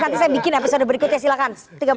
nanti saya bikin episode berikutnya silahkan